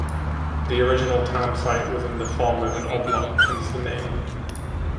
The original town site was in the form of an oblong, hence the name.